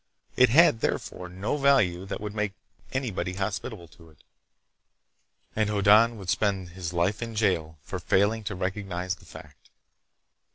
It had, therefore, no value that would make anybody hospitable to it. And Hoddan would spend his life in jail for failing to recognize the fact.